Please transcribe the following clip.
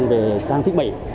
về trang thiết bị